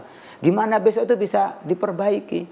bagaimana besok itu bisa diperbaiki